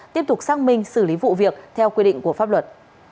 tiếp tục xác minh xử lý vụ việc theo quy định của pháp luật